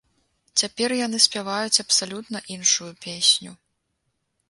Цяпер яны спяваюць абсалютна іншую песню.